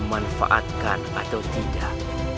memanfaatkan atau tidak